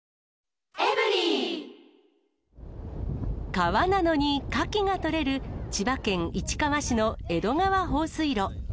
川なのにカキが採れる、千葉県市川市の江戸川放水路。